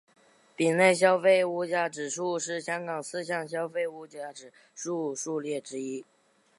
丙类消费物价指数是香港四项消费物价指数数列之一。